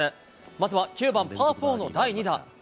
まずは９番パー４の第２打。